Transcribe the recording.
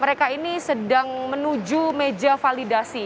mereka ini sedang menuju meja validasi